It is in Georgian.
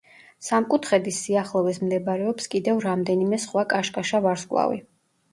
სამკუთხედის სიახლოვეს მდებარეობს კიდევ რამდენიმე სხვა კაშკაშა ვარსკვლავი.